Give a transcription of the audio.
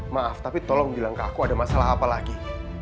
maaf tapi tolong bilang ke aku ada masalah apa lagi